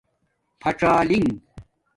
پھاڅالنگ